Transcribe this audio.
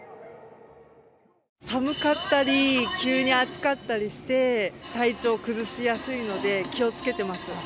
寒かったり、急に暑かったりして、体調を崩しやすいので、気をつけてます。